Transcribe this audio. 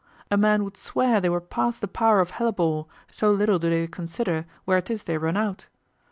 A man would swear they were past the power of hellebore, so little do they consider where 'tis they run out.